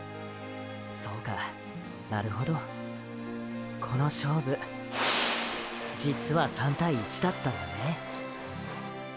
そうかなるほどこの勝負実は３対１だったんだね。